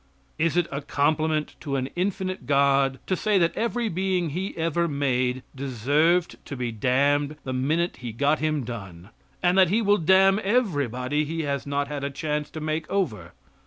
Is it a compliment to an infinite God to say that every being He ever made deserved to be damned the minute He got him done, and that He will damn everybody He has not had a chance to make over.